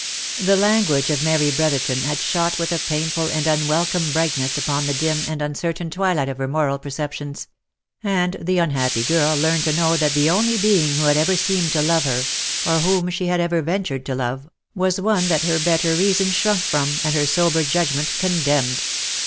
The lan guage of Mary Brotherton had shot with a painful and unwelcome brightness upon the dim and uncertain twilight of her moral percep tions ; and the unhappy girl learned to know that the only being who had ever seemed to love her, or whom she had ever ventured to love, was one that her better reason shrunk from, and her sober judgment condemned.